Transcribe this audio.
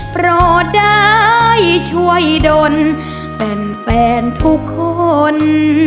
โปรดได้ช่วยดนแฟนทุกคน